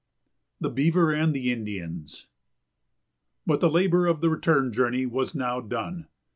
[Sidenote: The Beaver and the Indians] But the labor of the return journey was now done.